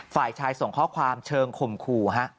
ฝ่ายชายส่งข้อความเชิงข่มขู่ฮะ